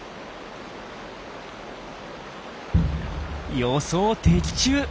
予想的中！